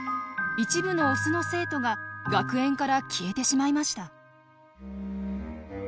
一部のオスの生徒が学園から消えてしまいました。